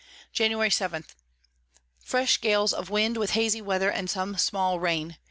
Jan. 7. Fresh Gales of Wind, with hazy Weather and some small Rain.